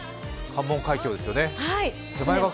関門海峡ですよね